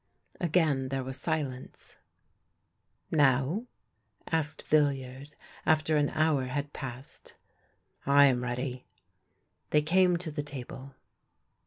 Again there was silence. " Now ?" asked Villiard, after an hour had passed. " I am ready." They came to the table.